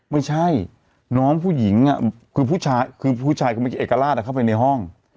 ไม่ใช่น้องผู้หญิงคือผู้ชายเขาไม่ใช่เอกลาดเข้าไปในห้อง